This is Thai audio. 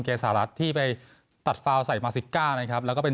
สหรัฐที่ไปตัดฟาวใส่มาซิกก้านะครับแล้วก็เป็น